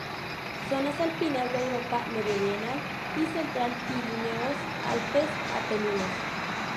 Zonas alpinas de Europa meridional y central, Pirineos, Alpes, Apeninos.